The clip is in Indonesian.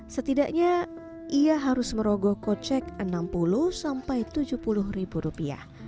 setidaknya ia harus merogoh kocek enam puluh sampai tujuh puluh ribu rupiah